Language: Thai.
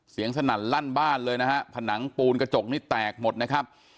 สนั่นลั่นบ้านเลยนะฮะผนังปูนกระจกนี้แตกหมดนะครับ